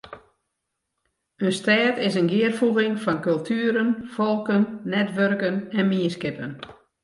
In stêd is in gearfoeging fan kultueren, folken, netwurken en mienskippen.